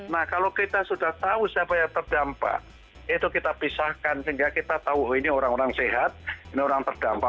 nah kalau kita sudah tahu siapa yang terdampak itu kita pisahkan sehingga kita tahu ini orang orang sehat ini orang terdampak